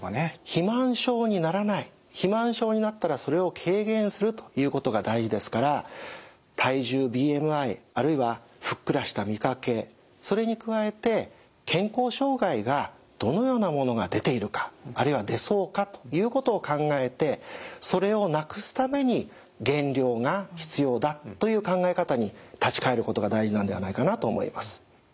肥満症にならない肥満症になったらそれを軽減するということが大事ですから体重ＢＭＩあるいはふっくらした見かけそれに加えて健康障害がどのようなものが出ているかあるいは出そうかということを考えてそれを無くすために減量が必要だという考え方に立ち返ることが大事なんではないかなと思います。